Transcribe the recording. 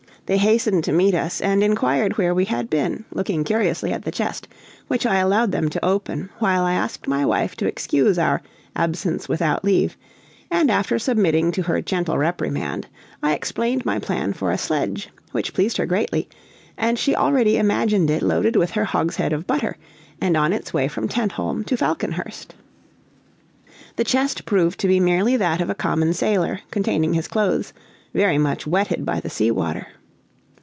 They hastened to meet us, and inquired where we had been, looking curiously at the chest, which I allowed them to open, while I asked my wife to excuse our "absence without leave," and after submitting to her gentle reprimand, I explained my plan for a sledge, which pleased her greatly, and she already imagined it loaded with her hogshead of butter, and on its way from Tentholm to Falconhurst. The chest proved to be merely that of a common sailor, containing his clothes, very much wetted by the sea water.